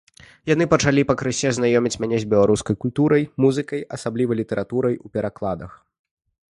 Яны пачалі пакрысе знаёміць мяне з беларускай культурай, музыкай асабліва, літаратурай у перакладах.